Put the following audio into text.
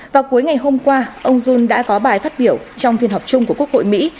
vào cuối ngày hôm qua ông jun đã có bài phát biểu trong phiên họp chung của quốc hội mỹ